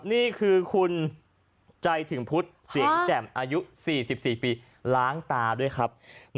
นี่คือคุณใจถึงพุทธเสียงแจ่มอายุ๔๔ปีล้างตาด้วยครับ